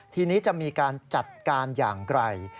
ทีนี้จะมีการจัดการอย่างไร